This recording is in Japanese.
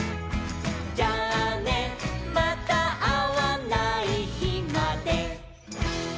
「じゃあねまたあわないひまで」